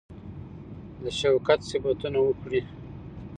د شوکت صفتونه وکړي.